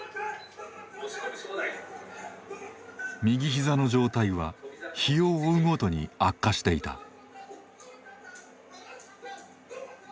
右ひざの状態は日を追うごとに悪化していた。